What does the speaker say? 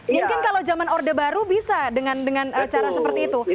mungkin kalau zaman orde baru bisa dengan cara seperti itu